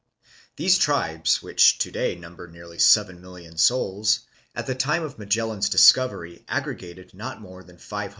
These tribes which to day number nearly 7,000,000 souls, at the time 'of Magellan's discovery aggregated not more than 500,000.